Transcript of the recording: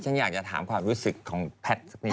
ฉันอยากจะถามความรู้สึกของแพดสักนิดหนึ่งเนี่ย